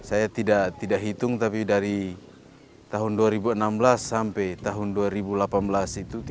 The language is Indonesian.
saya tidak hitung tapi dari tahun dua ribu enam belas sampai tahun dua ribu delapan belas itu